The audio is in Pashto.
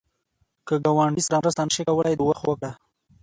که ګاونډي سره مرسته نشې کولای، دعا خو وکړه